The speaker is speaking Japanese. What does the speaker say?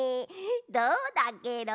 どうだケロ。